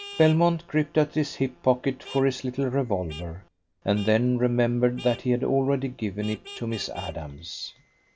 Belmont gripped at his hip pocket for his little revolver, and then remembered that he had already given it to Miss Adams.